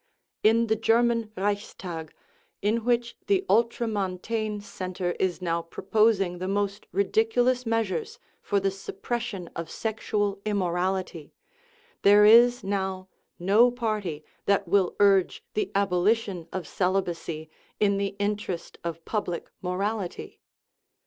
In the German Reichstag, in which the ultramontane Centre is now proposing the most ridiculous measures for the suppression of sexual immorality, there is now no party that will urge the abolition of celibacy in the in terest of public morality.